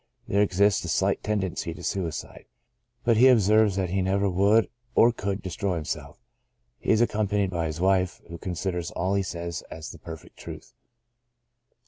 There exists a slight tendency to suicide, but he observes that he never would or could destroy himself. He is accompanied by his wife, who considers all he says as the perfect truth.